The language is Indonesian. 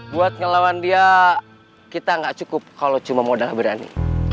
buat ngelawan dia kita nggak cukup kalau cuma modal berani